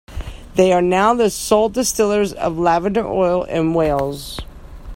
They are now the sole distillers of lavender oil in Wales.